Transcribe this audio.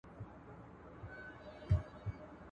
سترګو چي مي ستا لاري څارلې اوس یې نه لرم ..